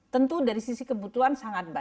tentu dari sisi kebutuhan